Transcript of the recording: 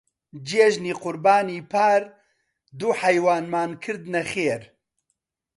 جێژنی قوربانی پار دوو حەیوانمان کردنە خێر.